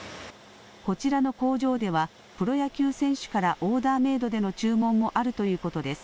こちらの工場では、プロ野球選手からオーダーメードでの注文もあるということです。